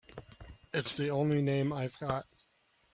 It's the only name I've got.